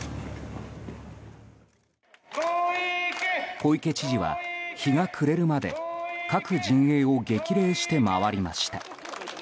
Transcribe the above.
小池知事は日が暮れるまで各陣営を激励して回りました。